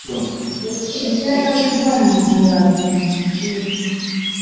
Ekiggwa mu bavubi kiki?